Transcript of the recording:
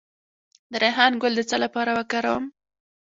د ریحان ګل د څه لپاره وکاروم؟